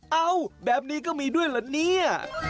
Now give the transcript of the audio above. เอ้าแบบนี้ก็มีด้วยเหรอเนี่ย